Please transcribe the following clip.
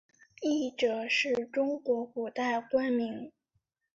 谒者是中国古代官名。